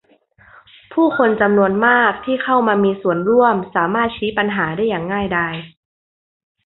ผู้คนจำนวนมากที่เข้ามามีส่วนร่วมสามารถชี้ปัญหาได้อย่างง่ายดาย